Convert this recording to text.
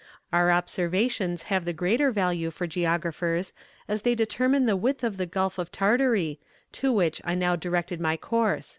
Our observations have the greater value for geographers as they determine the width of the Gulf of Tartary, to which I now directed my course."